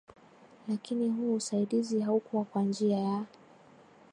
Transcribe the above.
lakini huo usaidizi haukua kwa njia ya